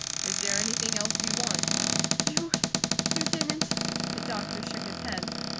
Is there anything else you want?" "You you didn't ?" The doctor shook his head.